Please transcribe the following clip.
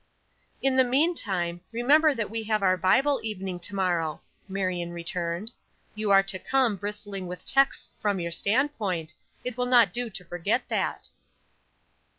"In the meantime, remember that we have our Bible evening to morrow," Marion returned. "You are to come bristling with texts from your standpoint; it will not do to forget that."